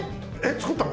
作ったの？